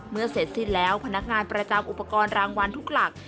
เสร็จสิ้นแล้วพนักงานประจำอุปกรณ์รางวัลทุกหลัก